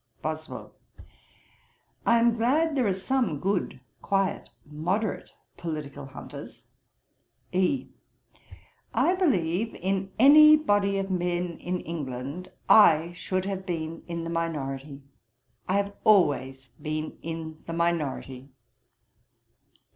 BOSWELL. 'I am glad there are some good, quiet, moderate political hunters.' E. 'I believe, in any body of men in England, I should have been in the Minority; I have always been in the Minority.'